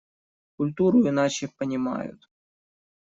Культуру иначе понимают.